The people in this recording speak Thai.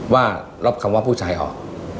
ว่าลบคำว่าผู้ชายออก